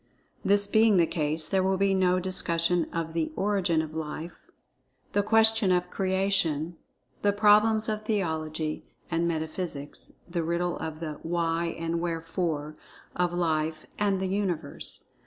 This being the case, there will be no discussion of the "origin of Life"—the question of "creation"—the problems of theology and metaphysics—the riddle of the "Why and Wherefore" of Life and the Universe.